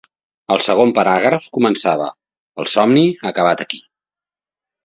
El segon paràgraf començava "El somni ha acabat aquí.